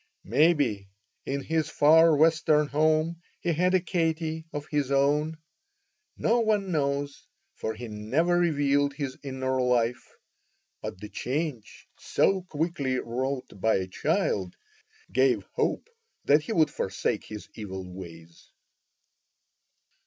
Maybe in his far Western home he had a Katie of his own. No one knows, for he never revealed his inner life; but the change so quickly wrought by a child gave hope that he would forsake his evil ways.